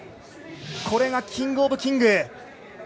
これがキングオブキング。